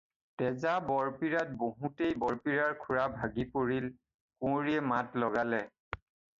তেজা বৰপীৰাত বহোঁতেই বৰপীৰাৰ খুৰা ভাগি পৰিলত, কুঁৱৰীয়ে মাত লগালে।